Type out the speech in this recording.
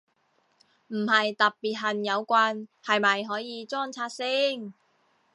唔係特別恨有棍，係咪可以裝拆先？